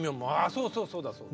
そうそうそうだそうだ。